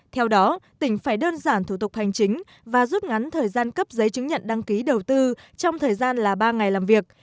theo đó tỉnh phải đơn giản thủ tục hành chính và rút ngắn thời gian cấp giấy chứng nhận đăng ký đầu tư trong thời gian là ba ngày làm việc